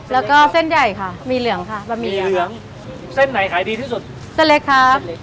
ลูกชิ้นเนื้อกับลูกชิ้นเอ็นค่ะ